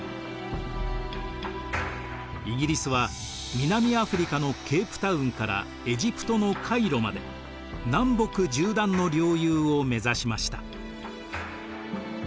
イギリスは南アフリカのケープタウンからエジプトのカイロまで南北縦断の領有を目指しました。